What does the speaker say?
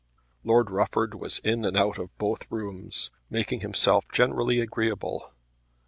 Lord Rufford was in and out of both rooms, making himself generally agreeable.